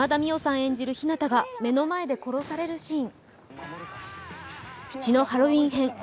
演じるヒナタが目の前で殺されるシーン。